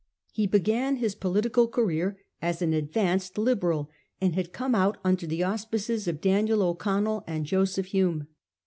He began his political career as an ad vanced Liberal, and had come out under the auspices of Daniel O'Connell and Joseph Hume.